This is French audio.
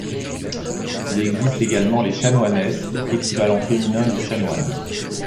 Il existe également les chanoinesses, équivalent féminin du chanoine.